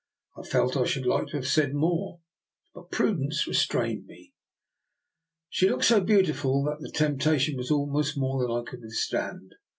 I felt I should like to have said more, but prudence restrained me. She looked so beautiful that the temp tation was almost more than I could with stand.